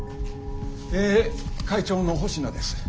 え会長の保科です。